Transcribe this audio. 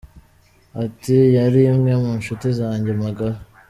Ati "Yari imwe mu nshuti zanjye magara.